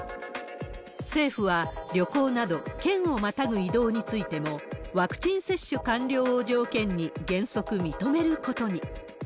政府は旅行など県をまたぐ移動についても、ワクチン接種完了を条件に、原則認めることに。